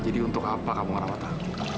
jadi untuk apa kamu ngerawat aku